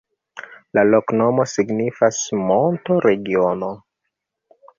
La loknomo signifas: monto-regiono.